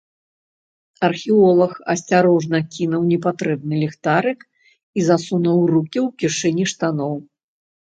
Археолаг асцярожна кінуў непатрэбны ліхтарык і засунуў рукі ў кішэні штаноў.